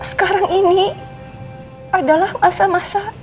sekarang ini adalah masa masa